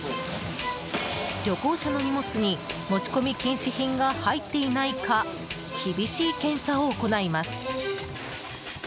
旅行者の荷物に持ち込み禁止品が入っていないか厳しい検査を行います。